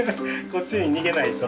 こっちに逃げないと。